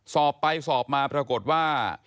สอบไปสอบมาปรากฏว่า